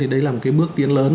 thì đấy là một cái bước tiến lớn